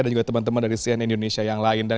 dan juga teman teman dari cnn indonesia yang lain